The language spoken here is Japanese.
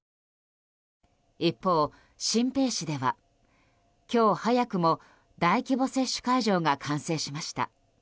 一方、シンペイ市では今日、早くも大規模接種会場が完成しました。